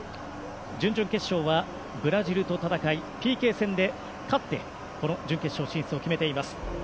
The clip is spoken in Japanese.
準々決勝はブラジルと戦いＰＫ戦で勝ってこの準決勝進出を決めています。